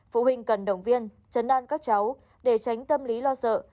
phụ huynh cần động viên chấn an các cháu để tránh tâm lý lo sợ